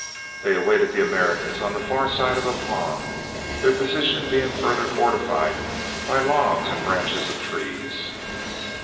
They awaited the Americans on the far side of a pond, their position being further fortified by logs and branches of trees.